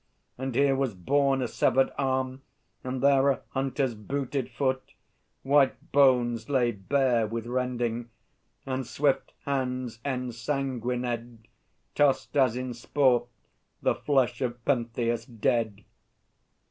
And here was borne a severed arm, and there A hunter's booted foot; white bones lay bare With rending; and swift hands ensanguinèd Tossed as in sport the flesh of Pentheus dead.